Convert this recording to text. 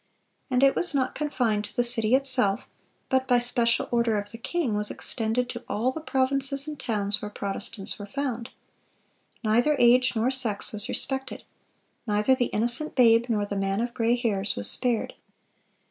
And it was not confined to the city itself, but by special order of the king, was extended to all the provinces and towns where Protestants were found. Neither age nor sex was respected. Neither the innocent babe nor the man of gray hairs was spared.